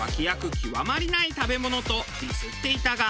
極まりない食べ物とディスっていたが。